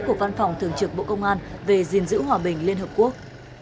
của văn phòng thường trực bộ công an về gìn giữ hòa bình liên hợp quốc